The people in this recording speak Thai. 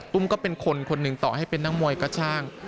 ก็เป็นคนหนึ่งต่อให้เป็นนักมวยก็ช่าง